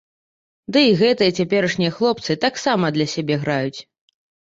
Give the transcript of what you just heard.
Ды і гэтыя цяперашнія хлопцы таксама для сябе граюць.